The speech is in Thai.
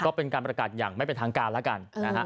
ก็เป็นการประกาศอย่างไม่เป็นทางการแล้วกันนะฮะ